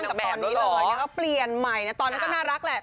ตอนนี้ก็เปลี่ยนใหม่ตอนนี้ก็น่ารักแหละ